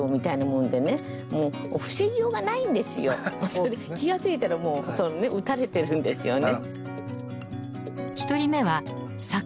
それで気が付いたらもう打たれてるんですよね。